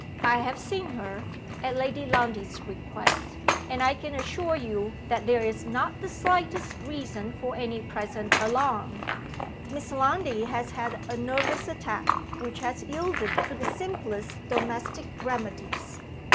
"I have seen her, at Lady Lundie's request; and I can assure you that there is not the slightest reason for any present alarm. Miss Lundie has had a nervous attack, which has yielded to the simplest domestic remedies.